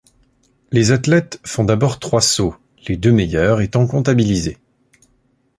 Les athlètes font d'abord trois sauts, les deux meilleurs étant comptabilisés.